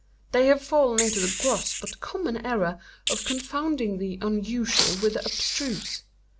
They have fallen into the gross but common error of confounding the unusual with the abstruse.